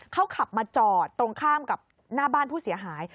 เขาขับมาจอดตรงข้ามกับหน้าบ้านผู้เสียหาย